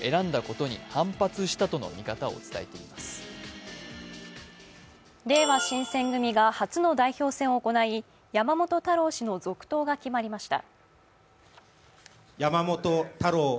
れいわ新選組が初の代表戦を行い、山本太郎氏の続投が決まりました。